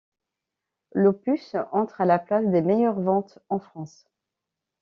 L'opus entre à la place des meilleures ventes en France.